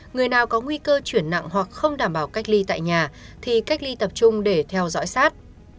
người nào có nguy cơ chuyển nặng hoặc không đảm bảo cách ly tại nhà thì cách ly tập trung để theo dõi sát